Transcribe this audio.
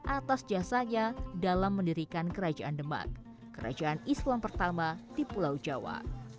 atas jasanya dalam mendirikan kerajaan demak kerajaan islam pertama di pulau jawa